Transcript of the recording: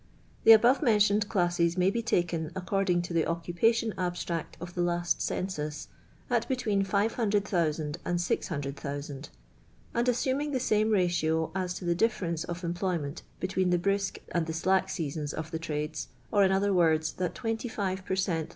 The above mentioned classes may be taken, according to the Occupation Abstract of the last Census, at between 500,000 and 600,000 ; and, assuming the same ratio as to the diifercnce of employment between the brisk and the sUck seasons of the trades, or, in other words, that 25 per cent.